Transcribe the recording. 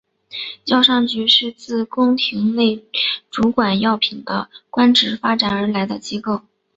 尚药局是自宫廷内主管药品的官职发展而来的机构。